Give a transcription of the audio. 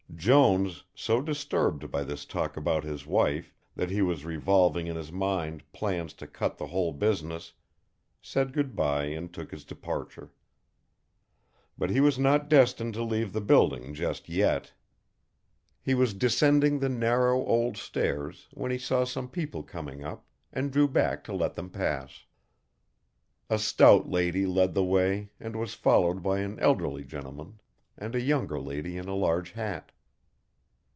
Jones, so disturbed by this talk about his wife that he was revolving in his mind plans to cut the whole business, said good bye and took his departure. But he was not destined to leave the building just yet. He was descending the narrow old stairs when he saw some people coming up, and drew back to let them pass. A stout lady led the way and was followed by an elderly gentleman and a younger lady in a large hat.